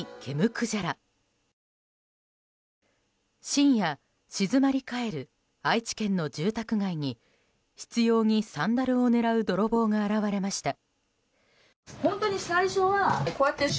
深夜、静まり返る愛知県の住宅街に執拗にサンダルを狙う泥棒が現れました。